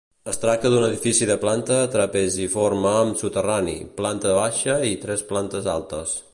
Es tracta d'un edifici de planta trapeziforme amb soterrani, planta baixa i tres plantes altes.